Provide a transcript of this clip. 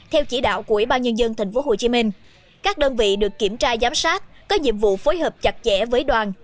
theo chỉ đạo của ubnd tp hcm các đơn vị được kiểm tra giám sát có nhiệm vụ phối hợp chặt chẽ với đoàn